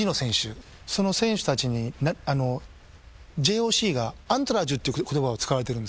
その選手たちにＪＯＣがアントラージュっていう言葉を使われてるんですよ